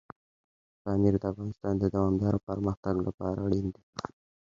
پامیر د افغانستان د دوامداره پرمختګ لپاره اړین دی.